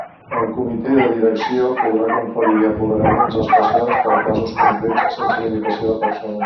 El Comité de Direcció podrà conferir apoderaments especials per a casos concrets sense limitació de persones.